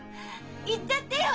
行っちゃってよ！